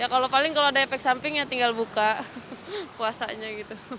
kalau paling kalau ada efek samping ya tinggal buka puasanya gitu